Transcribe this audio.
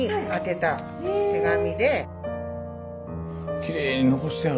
きれいに残してある。